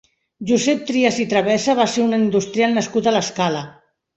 Josep Trias i Travesa va ser un industrial nascut a l'Escala.